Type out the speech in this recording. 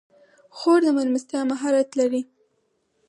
خور د میلمستیا مهارت لري.